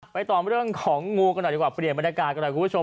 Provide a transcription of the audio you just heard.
ต่อเรื่องของงูกันหน่อยดีกว่าเปลี่ยนบรรยากาศกันหน่อยคุณผู้ชม